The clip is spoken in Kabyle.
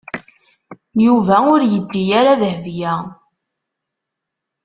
Yuba ur yeǧǧi ara Dahbiya.